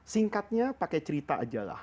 singkatnya pakai cerita saja